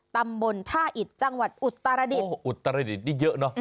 ตำบลท่าอิตจังหวัดอุตรดิตอุตรดิตนี่เยอะเนอะ